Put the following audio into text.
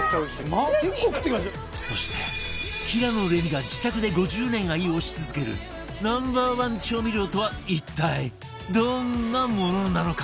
そして平野レミが自宅で５０年愛用し続ける Ｎｏ．１ 調味料とは一体どんなものなのか？